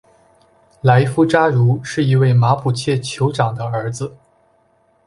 莱夫扎茹是一位马普切酋长的儿子。